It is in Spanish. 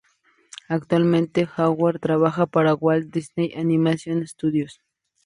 Actualmente Howard trabaja para Walt Disney Animation Studios.